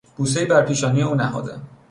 بوسهای بر پیشانی او نهادم.